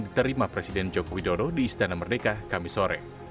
diterima presiden joko widodo di istana merdeka kamisore